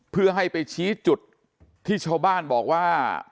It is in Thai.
เพื่อให้ไปชี้จุดที่ชาวบ้านบอกว่า